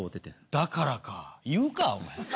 だからか言うかお前。